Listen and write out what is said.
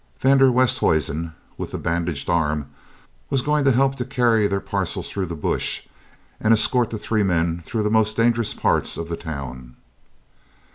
Van der Westhuizen, with the bandaged arm, was going to help to carry their parcels through the bush and escort the three men through the most dangerous parts of the town.